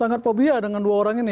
sangat pobia dengan dua orang ini